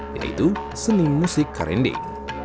yaitu seni musik karinding